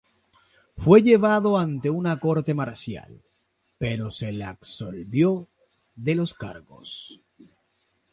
Fue llevado ante una corte marcial, pero se le absolvió de los cargos.